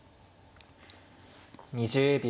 ２０秒。